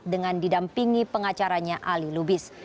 dengan didampingi pengacaranya ali lubis